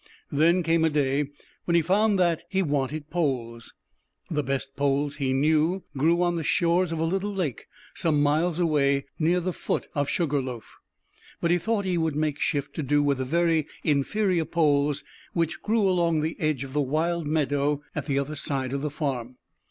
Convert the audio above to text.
Then came a day when he found that he wanted poles. The best poles, as he knew, grew on the shores of a little lake some miles away, near the foot of Sugar Loaf. But he thought he would make shift to do with the very inferior poles which grew along the edge of the wild meadow at the other side of the farm.